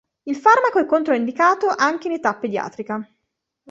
Il farmaco è controindicato anche in età pediatrica.